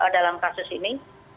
dalam kasus ini